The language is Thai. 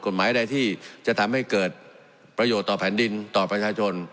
กฎหมายใดที่จะทำให้เกิดประโยชน์ต่อแผ่นดินต่อประชาชน